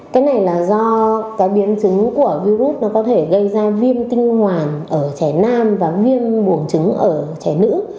cái này là do biến chứng của virus có thể gây ra viêm tinh hoàn ở trẻ nam và viêm buồng trứng ở trẻ đứa